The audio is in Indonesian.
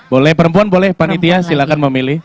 boleh perempuan boleh panitia silakan memilih